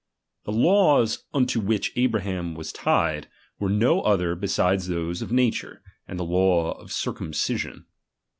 The laws unto which Abraham was tied, were no other beside those of nature, and the law of circum cision.